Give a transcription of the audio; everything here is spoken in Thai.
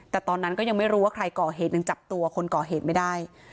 แต่ตอนนั้นก็ยังไม่รู้ว่าใครก่อเหตุยังจับตัวคนก่อเหตุไม่ได้